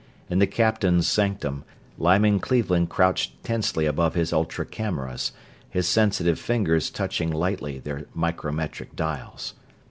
In the captain's sanctum Lyman Cleveland crouched tensely above his ultra cameras, his sensitive fingers touching lightly their micrometric dials.